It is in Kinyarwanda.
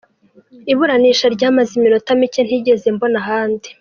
Iburanisha ryamaze iminota mike ntigeze mbona ahandi.